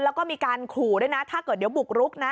แล้วก็มีการขู่ด้วยนะถ้าเกิดเดี๋ยวบุกรุกนะ